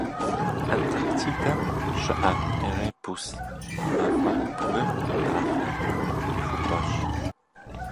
Антарктидэм щыӏэ Эребус мафӏэбгыр бахъэ къихупӏэщ.